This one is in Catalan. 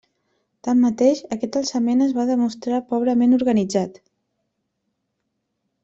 Tanmateix, aquest alçament es va demostrar pobrament organitzat.